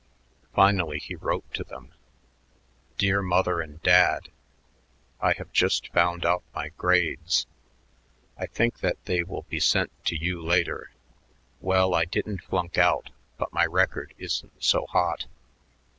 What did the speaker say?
_ Finally he wrote to them: Dear Mother and Dad: I have just found out my grades. I think that they will be sent to you later. Well, I didn't flunk out but my record isn't so hot.